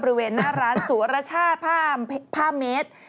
บริเวณหน้าร้านสุวรชาติผ้าเมตร